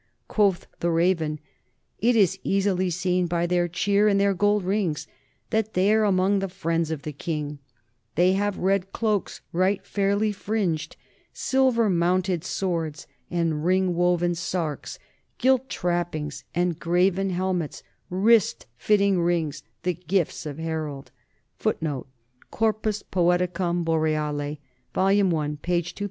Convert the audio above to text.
Quoth the Raven : It is easily seen by their cheer, and their gold rings, that they are among the friends of the king. They have red cloaks right fairly fringed, silver mounted swords, and ring woven sarks, gilt trappings, and graven helmets, wrist fitting rings, the gifts of Harold.